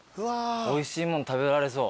おいしいもん食べられそう。